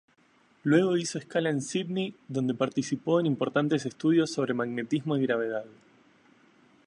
Luego hizo escala en Sídney, donde participó en importantes estudios sobre magnetismo y gravedad.